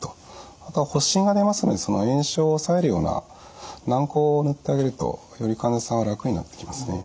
あとは発疹が出ますのでその炎症を抑えるような軟こうを塗ってあげるとより患者さんは楽になってきますね。